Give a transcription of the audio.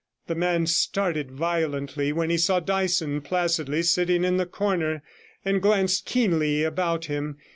The man started violently when he saw Dyson placidly sitting in the corner, and glanced keenly about him.